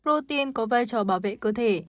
protein có vai trò bảo vệ cơ thể